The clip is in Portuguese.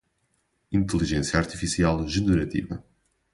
Inteligência artificial generativa